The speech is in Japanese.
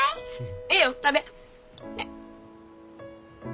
ええよ食べ。